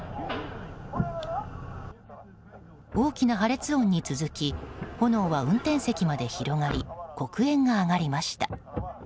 大きな破裂音に続き炎は運転席まで広がり黒煙が上がりました。